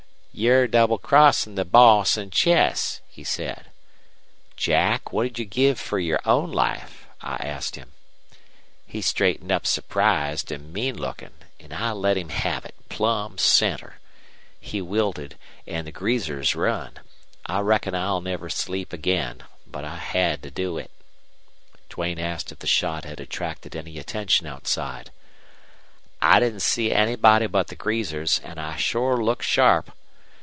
"'You're double crossin' the boss an' Chess,' he said. "'Jack, what 'd you give fer your own life?' I asked him. "He straightened up surprised an' mean lookin'. An' I let him have it, plumb center! He wilted, an' the greasers run. I reckon I'll never sleep again. But I had to do it." Duane asked if the shot had attracted any attention outside. "I didn't see anybody but the greasers, an' I sure looked sharp.